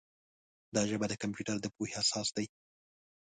دا ژبه د کمپیوټر د پوهې اساس دی.